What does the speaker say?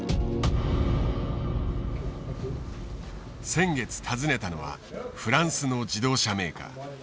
先月訪ねたのはフランスの自動車メーカー。